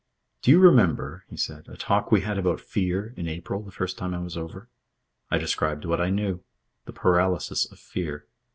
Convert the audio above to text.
"Do you remember," he said, "a talk we had about fear, in April, the first time I was over? I described what I knew. The paralysis of fear.